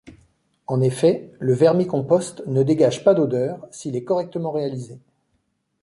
En effet, le vermicompost ne dégage pas d'odeur s'il est correctement réalisé.